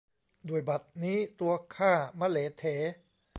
ด้วยบัดนี้ตัวข้ามะเหลเถ